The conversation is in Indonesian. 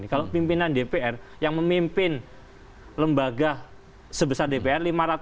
kalau pimpinan dpr yang memimpin lembaga sebesar dpr